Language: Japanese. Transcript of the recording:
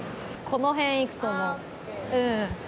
この辺行くと思う。